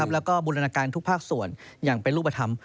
แล้วก็บูรณาการทุกภาคส่วนอย่างเป็นรูปธรรม